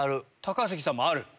高杉さんもある？